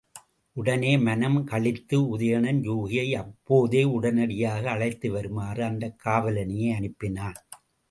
உடனே மனம் களித்த உதயணன், யூகியை அப்போதே உடனடியாக அழைத்து வருமாறு அந்தக் காவலனையே அனுப்பினான்.